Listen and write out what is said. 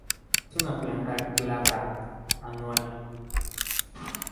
Es una planta glabra, anual.